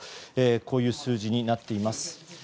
こういう数字になっています。